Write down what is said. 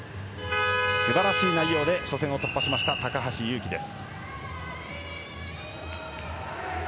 素晴らしい内容で初戦を突破しました、高橋侑希です。